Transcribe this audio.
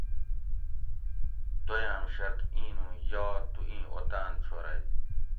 دویام شرط ایں نوں یا تو ایں اوطاۤن چھورئ